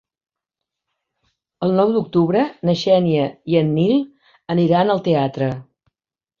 El nou d'octubre na Xènia i en Nil aniran al teatre.